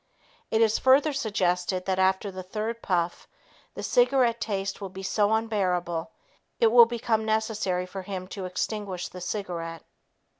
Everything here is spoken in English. It is further suggested that after the third puff, the cigarette taste will be so unbearable it will become necessary for him to extinguish the cigarette.